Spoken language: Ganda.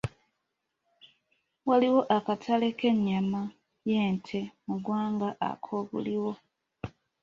Waliwo akatale k'ennyama y'ente mu ggwanga ak'obuliwo.